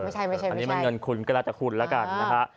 ไม่ใช่ไม่ใช่อันนี้มันเงินคุณก็แล้วแต่คุณแล้วกันนะฮะ